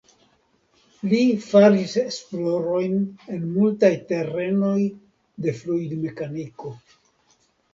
Li faris esplorojn en multaj terenoj de fluidmekaniko.